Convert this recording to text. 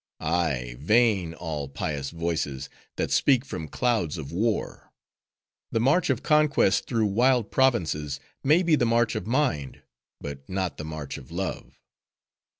—ay! vain all pious voices, that speak from clouds of war! The march of conquest through wild provinces, may be the march of Mind; but not the march of Love."